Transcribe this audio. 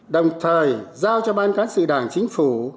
đồng thời giao cho ban cán sự đảng chính phủ